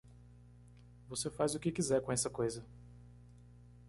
Você faz o que quiser com essa coisa.